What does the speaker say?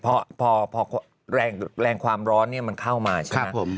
พอแรงความร้อนเนี่ยมันเข้ามาใช่ไหม